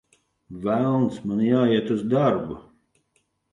Velns, man jāiet uz darbu!